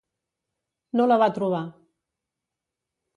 No la va trobar.